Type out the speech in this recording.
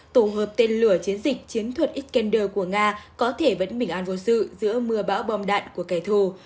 tổ hợp tên lửa chiến dịch chiến thuật eander của nga có thể vẫn bình an vô sự giữa mưa bão bom đạn của kẻ thù